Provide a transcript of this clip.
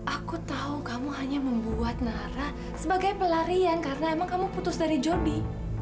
aku tahu kamu hanya membuat nahra sebagai pelarian karena emang kamu putus dari jody